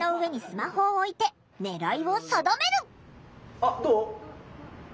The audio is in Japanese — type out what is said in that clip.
あっどう？